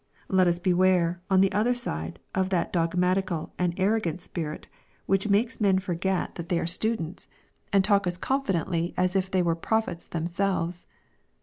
Let us beware, on the other side, of that dogmatical and arro gant spirit, which makes men forget that they are LUKE, CHAP. XXI. 859 students, and talk as confidently as if they were prophets themselves.